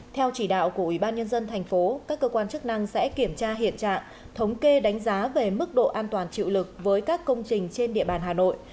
theo chỉ đạo của ubnd tp các cơ quan chức năng sẽ kiểm tra hiện trạng thống kê đánh giá về mức độ an toàn chịu lực với các công trình trên địa bàn hà nội